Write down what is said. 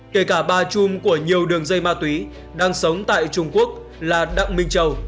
tà chùm của nhiều đường dây ma túy đang sống tại trung quốc là đặng minh châu